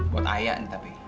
buat ayah ini tapi